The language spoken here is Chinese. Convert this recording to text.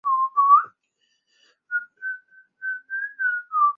主要图书馆在香港中央图书馆未成立前称为中央图书馆。